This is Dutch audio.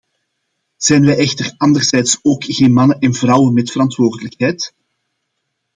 Zijn wij echter anderzijds ook geen mannen en vrouwen met verantwoordelijkheid?